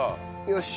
よし。